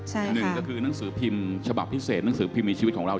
หนึ่งก็คือหนังสือพิมพ์ฉบับพิเศษหนังสือพิมพ์มีชีวิตของเรา